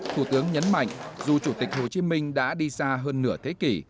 thủ tướng nhấn mạnh dù chủ tịch hồ chí minh đã đi xa hơn nửa thế kỷ